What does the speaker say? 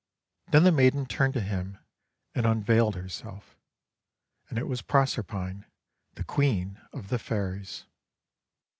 Then the maiden turned to him and unveiled herself, and it was Proserpine, the Queen of the Fairies.